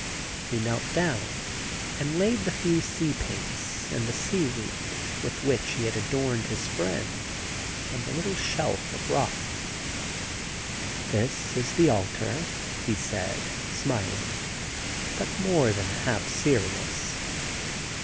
He knelt down, and laid the few sea pinks, and the seaweed with which he had adorned his friend, on a little shelf of rock. *That is the altar,' he said smiling, but more than half serious.